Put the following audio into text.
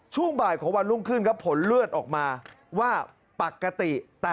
ช่วงบ่ายของวันรุ่งขึ้นครับผลเลือดออกมาว่าปกติ